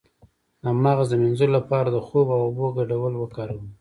د مغز د مینځلو لپاره د خوب او اوبو ګډول وکاروئ